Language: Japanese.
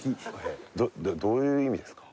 どうどういう意味ですか？